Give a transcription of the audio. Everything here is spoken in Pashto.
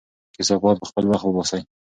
کثافات په خپل وخت وباسئ.